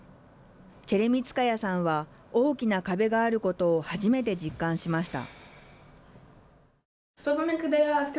チェレミツカヤさんは大きな壁があることをはじめて実感しました。